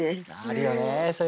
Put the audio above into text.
あるよね